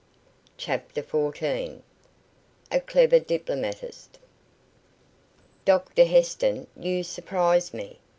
CHAPTER FOURTEEN. A CLEVER DIPLOMATIST. "Doctor Heston, you surprise me.